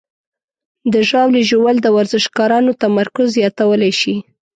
د ژاولې ژوول د ورزشکارانو تمرکز زیاتولی شي.